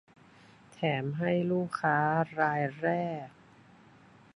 แถมให้ ลูกค้ารายแรก